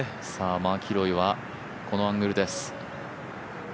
マキロイはこのアングルです。